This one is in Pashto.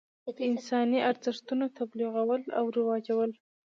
د انساني ارزښتونو تبلیغول او رواجول.